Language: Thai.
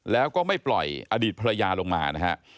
แล้วก็ไม่ปล่อยอดีตภรรยาลงมานะฮะ